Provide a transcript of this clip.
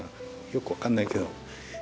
よく分かんないけど。